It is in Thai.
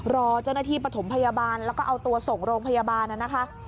รอเจ้าหน้าที่ปฐมพยาบาลแล้วก็เอาตัวส่งโรงพยาบาลนะคะ